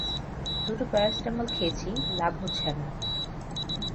দুটো পেরাসিটামল খেয়েছি, লাভ হচ্ছে না।